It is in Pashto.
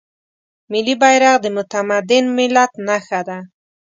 ملي بیرغ د متمدن ملت نښه ده.